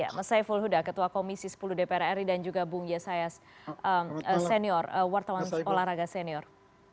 ya mas saiful huda ketua komisi sepuluh dpr ri dan juga bung yesayas senior wartawan olahraga senior